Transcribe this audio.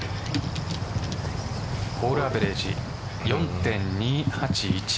ホールアベレージ４．２８１。